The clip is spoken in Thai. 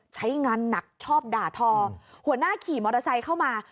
ใช้งานหนักชอบด่าทอหัวหน้าขี่มอเตอร์ไซค์เข้ามา